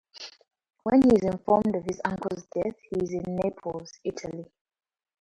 When he is informed of his uncle's death, he is in Naples, Italy.